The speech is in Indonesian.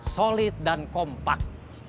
solid dan kompak